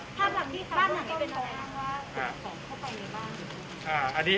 ภาพหลังที่บ้านหลังจะเป็นอะไร